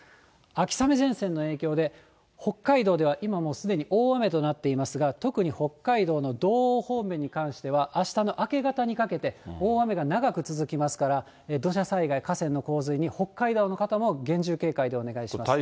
秋雨前線の影響で北海道では今もうすでにすでに大雨となっていますが、特に北海道の道央方面に関しては、あしたの明け方にかけて、大雨が長く続きますから、土砂災害、河川の増水に北海道の方も厳重警戒でお願いします。